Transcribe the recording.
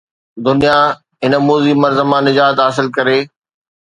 دنيا هن موذي مرض مان نجات حاصل ڪري.